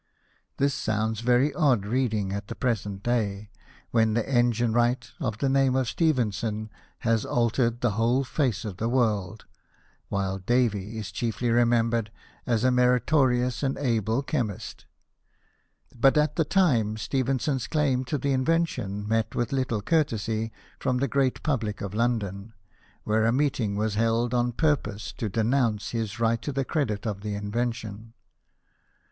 This sounds very odd reading at the present day, when the engine wright of the name of Stephenson has c.ltered the whole face of the world, while Davy is chiefly remembered as a meritorious and ;.ble chemist ; but at the time, Stephenson's claim to the invention met with little courtesy from the great public of London, where a meeting was held on purpose to denounce his right to the credit of the invention.